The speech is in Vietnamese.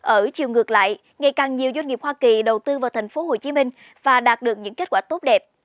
ở chiều ngược lại ngày càng nhiều doanh nghiệp hoa kỳ đầu tư vào tp hcm và đạt được những kết quả tốt đẹp